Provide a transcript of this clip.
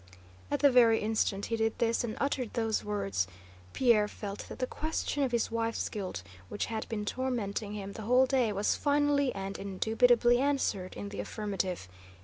At the very instant he did this and uttered those words, Pierre felt that the question of his wife's guilt which had been tormenting him the whole day was finally and indubitably answered in the affirmative.